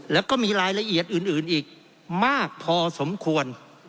แล้วก็มีรายละเอียดอื่นอีกมากพอสมควร